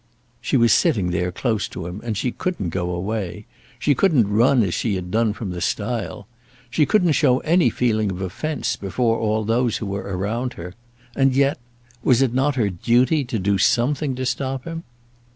She was sitting there close to him, and she couldn't go away. She couldn't run as she had done from the stile. She couldn't show any feeling of offence before all those who were around her; and yet, was it not her duty to do something to stop him?